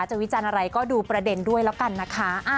วิจารณ์อะไรก็ดูประเด็นด้วยแล้วกันนะคะ